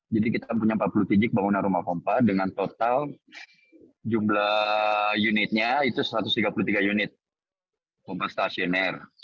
kita punya empat puluh tujuh bangunan rumah pompa dengan total jumlah unitnya itu satu ratus tiga puluh tiga unit pompa stasioner